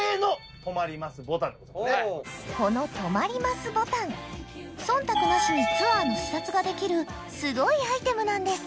この「とまりますボタン」忖度なしにツアーの視察ができるすごいアイテムなんです！